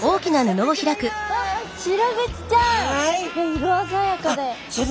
色鮮やかで。